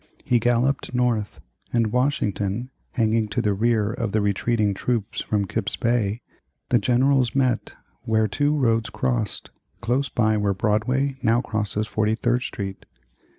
He galloped north, and Washington, hanging to the rear of the retreating troops from Kip's Bay, the generals met where two roads crossed, close by where Broadway now crosses Forty third Street.